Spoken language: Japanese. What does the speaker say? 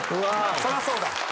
そりゃそうだ。